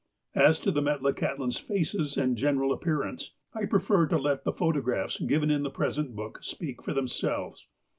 As to the Metlakahtlans' faces and general appearance, I prefer to let the photographs given in the present book speak for themselves.